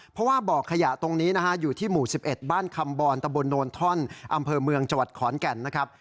เพราะว่าบ่อขยะตรงนี้นะฮะอยู่ที่หมู่๑๑บ้านคำบรตะบนโนนท่อนอำเภอเมืองจังหวัดขอนแก่นนะครับ